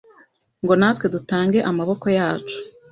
ngo natwe dutange amaboko yacu